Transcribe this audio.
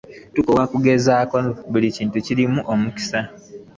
Tokoowa kugezaako, buli kintu kirimu omukisa.